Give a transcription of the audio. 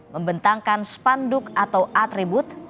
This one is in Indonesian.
membentangkan spanduk atau atribut